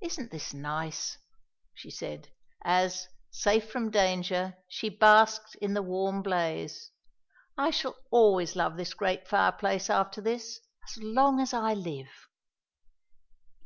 "Isn't this nice?" she said, as, safe from danger, she basked in the warm blaze. "I shall always love this great fireplace after this, as long as I live."